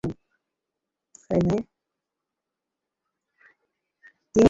তিনি 'Royal Highland and Agricultural Society of স্কটল্যান্ড'-এর সদস্য হন।